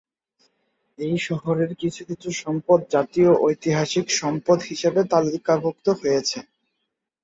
এই শহরের কিছু কিছু সম্পদ জাতীয় ঐতিহাসিক সম্পদ হিসেবে তালিকাভুক্ত হয়েছে।